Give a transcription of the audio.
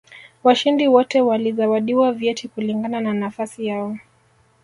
washindi wote walizawadiwa vyeti kulingana na nafasi zao